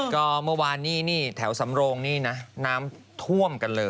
ก็เมื่อวานนี้นี่แถวสำโรงนี่นะน้ำท่วมกันเลย